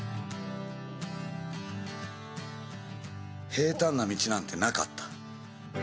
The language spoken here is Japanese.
平坦な道なんてなかった。